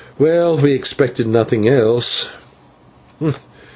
Well, we expected nothing else."